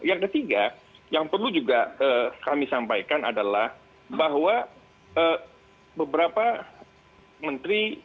yang ketiga yang perlu juga kami sampaikan adalah bahwa beberapa menteri